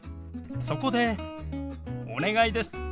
そこでお願いです。